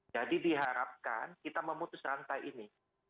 jadi diharapkan kita memutus rantai ini